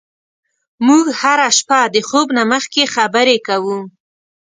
موږ هره شپه د خوب نه مخکې خبرې کوو.